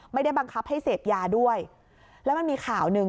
ไม่ได้บังคับให้เสพยาด้วยแล้วมันมีข่าวหนึ่ง